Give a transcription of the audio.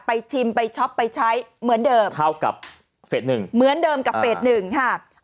ไปชิมไปช็อปไปใช้เหมือนเดิมเท่ากับเฟส๑เหมือนเดิมกับเฟส๑ค่ะ